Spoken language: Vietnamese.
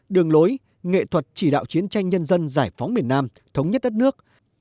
đường lối nghệ thuật chỉ đạo chiến tranh nhân dân giải phóng miền nam thống nhất đất nước